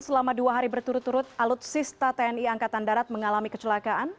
selama dua hari berturut turut alutsista tni angkatan darat mengalami kecelakaan